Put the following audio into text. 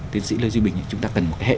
tiến sĩ lê duy bình chúng ta cần một hệ